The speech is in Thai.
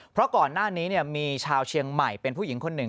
เพราะก่อนหน้านี้มีชาวเชียงใหม่เป็นผู้หญิงคนหนึ่ง